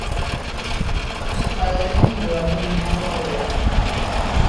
Su padre emigró a Guinea Ecuatorial.